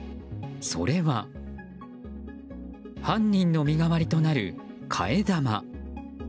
それは犯人の身代わりとなる替え玉。